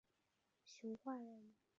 熊化人。